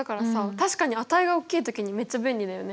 確かに値がおっきい時にめっちゃ便利だよね。